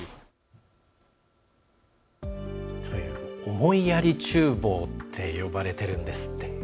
思いやりちゅう房と呼ばれているんですって。